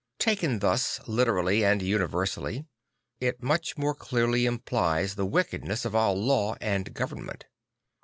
Taken thus literally and universally, it much more clearly implies the wickedness of all law and government.